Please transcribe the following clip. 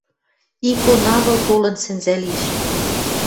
Икон агыл толын сӹнзӓ лиш.